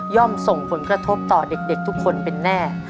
ส่งผลกระทบต่อเด็กทุกคนเป็นแน่